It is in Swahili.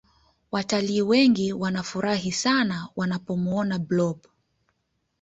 Wataliii wengi wanafurahi sana wanapomuona blob